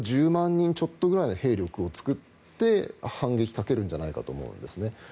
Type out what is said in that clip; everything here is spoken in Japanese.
人ちょっとくらいの兵力を作って反撃をかけるんじゃないかと思うんですね。